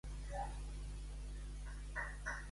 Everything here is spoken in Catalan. Ser una fembra vil.